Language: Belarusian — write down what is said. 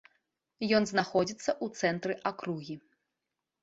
Ён знаходзіцца ў цэнтры акругі.